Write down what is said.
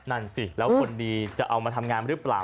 นั่นสิแล้วคนดีจะเอามาทำงานหรือเปล่า